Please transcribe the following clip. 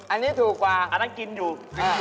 อันนี้ถูกกว่าอันนั้นกินอยู่